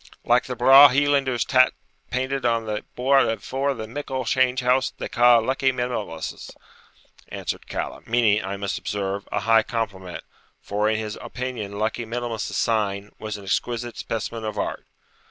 'Like the bra' Highlander tat's painted on the board afore the mickle change house they ca' Luckie Middlemass's,' answered Callum; meaning, I must observe, a high compliment, for in his opinion Luckie Middlemass's sign was an exquisite specimen of art.